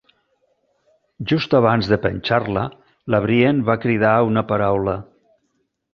Just abans de penjar-la, la Brienne va cridar una paraula.